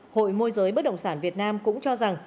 hội môi giới bất động sản việt nam cũng cho rằng